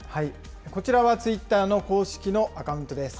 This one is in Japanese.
こちらはツイッターの公式のアカウントです。